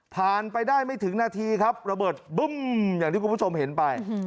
ไปได้ไม่ถึงนาทีครับระเบิดบึ้มอย่างที่คุณผู้ชมเห็นไป